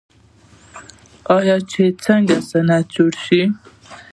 آیا چې څنګه صنعت جوړ کړو؟